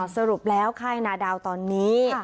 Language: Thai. สรุปแล้วค่ายนาดาวตอนนี้